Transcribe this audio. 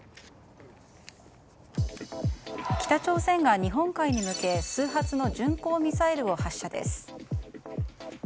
北朝鮮が日本海に向け数発の巡航ミサイルを発射です。